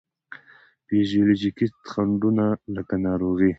فزیولوجیکي خنډو نه لکه ناروغي،